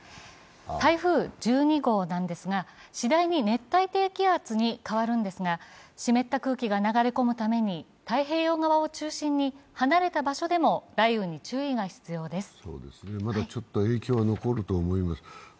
台風１２号なんですが、しだいに熱帯低気圧に変わるんですが、湿った空気が流れ込むために太平洋側を中心に離れた場所でもまだちょっと影響が残ると思います。